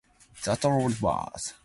That's all it was.